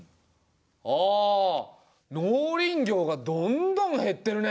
ああ農林業がどんどん減ってるね。